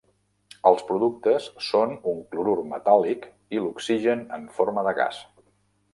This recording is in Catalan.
Els productes són un clorur metàl·lic i l'oxigen en forma de gas.